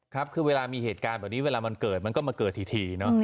ครับคือเวลามีเหตุการณ์แบบนี้เวลามันเกิดมันก็มาเกิดทีเนาะ